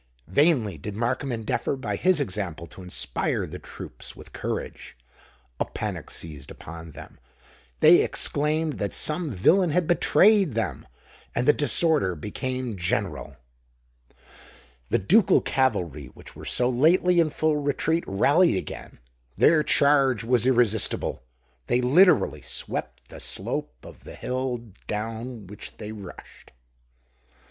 Vainly did Markham endeavour by his example to inspire the troops with courage. A panic seized upon them: they exclaimed that some villain had betrayed them; and the disorder became general. The ducal cavalry which were so lately in full retreat, rallied again: their charge was irresistible; they literally swept the slope of the hill down which they rushed.